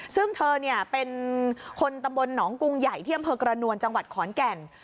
ซึ่งเธอเป็นคนตำบลหนองกรุงใหญ่ที่อำเภอกระนวลจังหวัดขอนแก่น